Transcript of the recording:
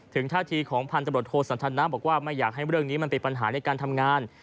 ท่าทีของพันธบทโทสันทนาบอกว่าไม่อยากให้เรื่องนี้มันเป็นปัญหาในการทำงาน